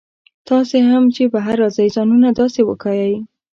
تاسي هم چې بهر راځئ ځانونه داسې وښایئ.